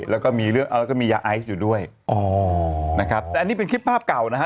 แล้วก็มีเรื่องแล้วก็มียาไอซ์อยู่ด้วยอ๋อนะครับแต่อันนี้เป็นคลิปภาพเก่านะฮะ